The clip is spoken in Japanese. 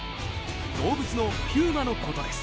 動物のピューマのことです。